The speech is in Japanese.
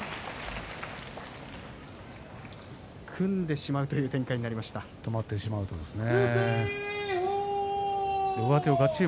組んでしまう展開になりましたね。